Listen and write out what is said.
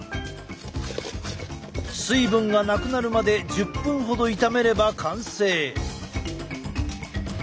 水分がなくなるまで１０分ほど炒めれば完成。